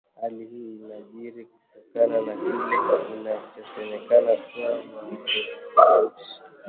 Hali hii inajiri kutokana na kile kinachosemekana kuwa wananchi